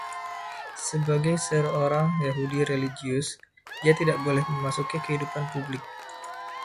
Sebagai seorang Yahudi religius, dia tidak boleh memasuki kehidupan publik.